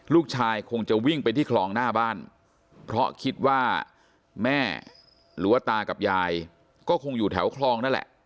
ลูกชายคงจะวิ่งไปที่คลองหน้าบ้านเพราะคิดว่าแม่หรือว่าตากับยายก็คงอยู่แถวคลองนั่นแหละ